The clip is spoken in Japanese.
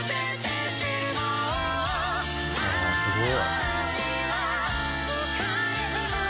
「ああすごい」